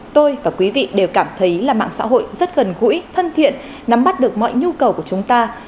tôi và quý vị đều cảm thấy là mạng xã hội rất gần gũi thân thiện nắm bắt được mọi nhu cầu của chúng ta